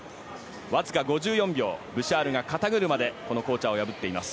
わずか５４秒ブシャールが肩車でコーチャーを破っています。